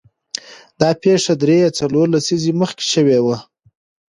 دا پېښه درې یا څلور لسیزې مخکې شوې وه.